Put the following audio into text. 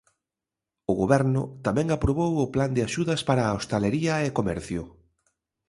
O Goberno tamén aprobou o plan de axudas para hostalería e comercio.